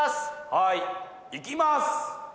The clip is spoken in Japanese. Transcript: はい行きます！